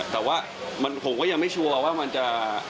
แต่ว่าผมก็ยังไม่ชัวร์ว่ามันจะ